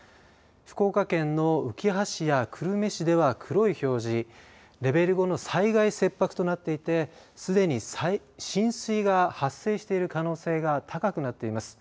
福岡県のうきは市や久留米市では黒い表示レベル５の災害切迫となっていてすでに浸水が発生している可能性が高くなっています。